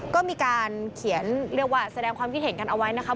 ก็มีการเขียนเรียกว่าแสดงความคิดเห็นกันเอาไว้นะครับ